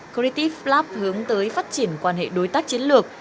creative lab hướng tới phát triển quan hệ đối tác chiến lược